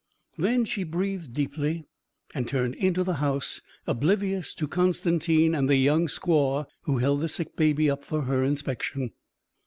Then she breathed deeply and turned into the house, oblivious to Constantine and the young squaw, who held the sick baby up for her inspection.